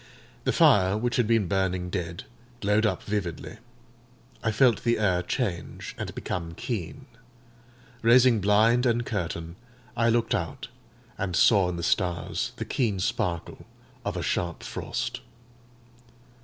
The fire, which had been burning dead, glowed up vividly. I felt the air change, and become keen. Raising blind and curtain, I looked out, and saw in the stars the keen sparkle of a sharp frost.